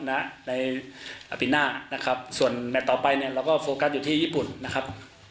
ในปีหน้านะครับส่วนแมทต่อไปเนี่ยเราก็โฟกัสอยู่ที่ญี่ปุ่นนะครับ